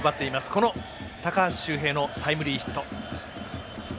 この高橋周平のタイムリーヒット。